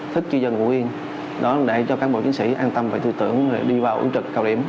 thức cho dân ngủ yên đó là để cho các bộ chiến sĩ an tâm và tư tưởng đi vào ứng trực